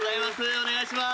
お願いします。